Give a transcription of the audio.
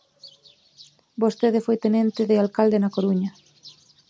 Vostede foi tenente de alcalde na Coruña.